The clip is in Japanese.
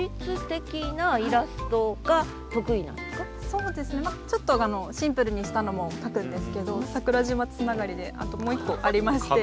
そうですねちょっとあのシンプルにしたのも描くんですけど桜島つながりであともう一個ありまして。